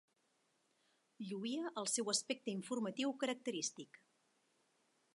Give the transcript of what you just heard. Lluïa el seu aspecte informatiu característic.